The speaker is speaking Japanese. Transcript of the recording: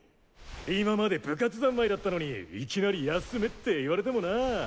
今まで部活三昧だったのにいきなり休めって言われてもなぁ。